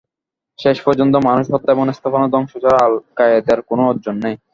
শেষ পর্যন্ত মানুষ হত্যা এবং স্থাপনা ধ্বংস ছাড়া আল-কায়েদার কোনো অর্জন নেই।